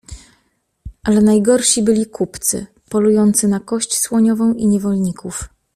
Ale najgorsi byli kupcy polujący na kość słoniową i niewolników.